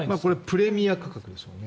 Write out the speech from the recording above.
プレミア価格ですよね。